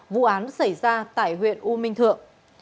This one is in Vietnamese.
vụ án xảy ra tại huyện u minh thượng